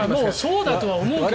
そうだとは思うけどね。